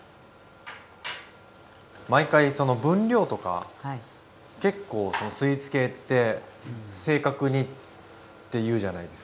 毎回その分量とか結構スイーツ系って正確にっていうじゃないですか。